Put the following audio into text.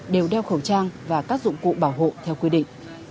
đều đeo khẩu trang và các dụng cụ bảo hộ theo quy định